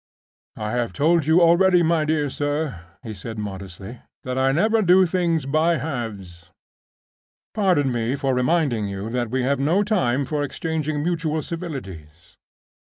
"I have told you already, my dear sir," he said, modestly, "that I never do things by halves. Pardon me for reminding you that we have no time for exchanging mutual civilities.